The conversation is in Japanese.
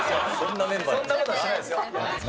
そんなことはしないですよ。